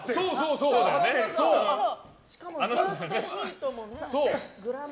しかもずっとヒントもね。